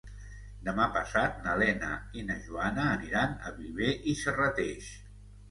Demà passat na Lena i na Joana aniran a Viver i Serrateix.